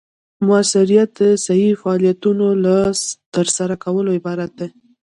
مؤثریت د صحیح فعالیتونو له ترسره کولو عبارت دی.